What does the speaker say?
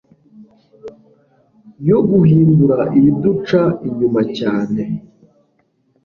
yo guhindura ibiduca inyuma cyane